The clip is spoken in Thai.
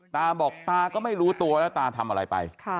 ตาบอกตาก็ไม่รู้ตัวแล้วตาทำอะไรไป